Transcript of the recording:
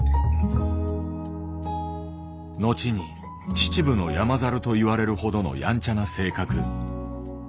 後に「秩父の山猿」と言われるほどのやんちゃな性格。